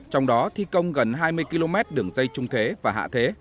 trong đó thi công gần hai mươi km đường dây trung thế và hạ thế